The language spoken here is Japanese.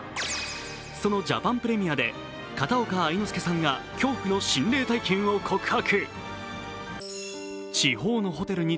そのジャパンプレミアで片岡愛之助さんが恐怖の心霊体験を告白。